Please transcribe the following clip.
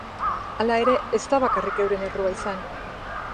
Hala ere ez da bakarrik euren errua izan.